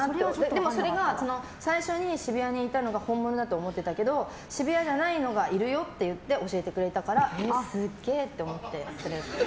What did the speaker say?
それが最初に渋谷にいたのが本物だと思ってたけど渋谷じゃないのがいるよって言って教えてくれたからすっげえ！と思って。